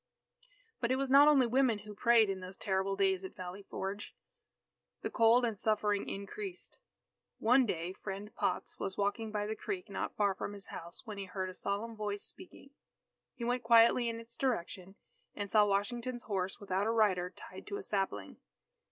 But it was not only women who prayed in those terrible days at Valley Forge. The cold and suffering increased. One day Friend Potts was walking by the creek not far from his house, when he heard a solemn voice speaking. He went quietly in its direction, and saw Washington's horse without a rider tied to a sapling.